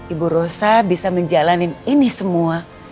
ibu rosa bisa menjalani ini semua